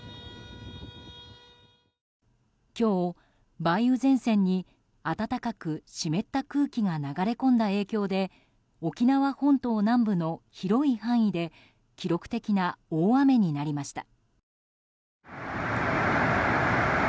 今日、梅雨前線に暖かく湿った空気が流れ込んだ影響で沖縄本島南部の広い範囲で記録的な大雨になりました。